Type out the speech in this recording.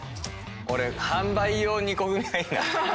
俺販売用２個組がいいな。